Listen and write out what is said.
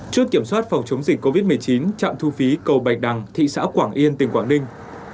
chốt kiểm soát phòng chống dịch covid một mươi chín trạm thu phí cầu bạch đằng thị xã quảng yên tỉnh quảng ninh